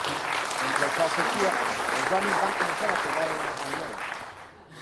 Mentre el sol sortia, els homes van començar a pegar al noi.